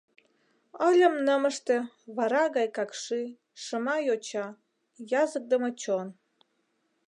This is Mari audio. Ыльым нымыште вара гай какши, шыма йоча, языкдыме чон.